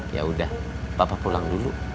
yaudah papa pulang dulu